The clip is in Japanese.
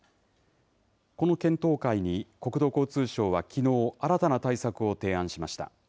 この検討会に国土交通省はきのう、新たな対策を提案しました。